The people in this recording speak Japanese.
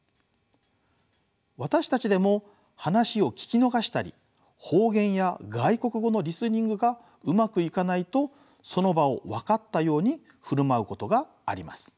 私たちでも話を聞き逃したり方言や外国語のリスニングがうまくいかないとその場をわかったように振る舞うことがあります。